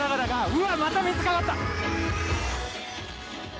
うわっ、また水かかった！